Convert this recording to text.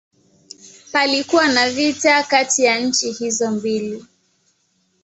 Palikuwa na vita kati ya nchi hizo mbili.